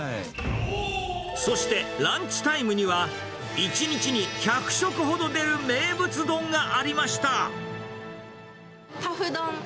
そして、ランチタイムには、１日に１００食ほど出る名物丼がありました。